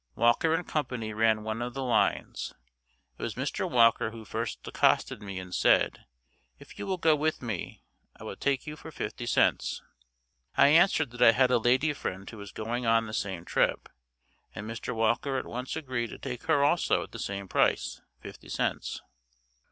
Walker & Co. ran one of the lines. It was Mr. Walker who first accosted me and said, "If you will go with me, I will take you for 50c." I answered that I had a lady friend who was going on the same trip, and Mr. Walker at once agreed to take her also at the same price 50 cents.